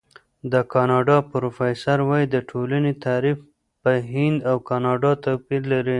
د کاناډا پروفیسور وايي، د ټولنې تعریف په هند او کاناډا توپیر لري.